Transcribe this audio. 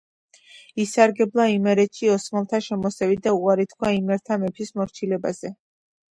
ისარგებლა იმერეთში ოსმალთა შემოსევით და უარი თქვა იმერთა მეფის მორჩილებაზე.